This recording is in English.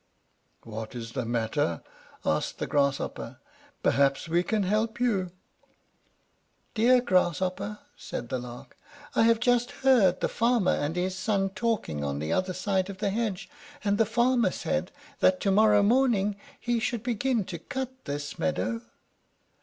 "What is the matter?" asked the Grasshopper. "Perhaps we can help you." "Dear Grasshopper," said the Lark, "I have just heard the farmer and his son talking on the other side of the hedge, and the farmer said that to morrow morning he should begin to cut this meadow."